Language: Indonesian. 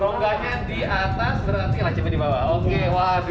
rongganya di atas berarti lancipnya di bawah oke waduh